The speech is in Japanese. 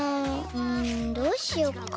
うんどうしよっかな。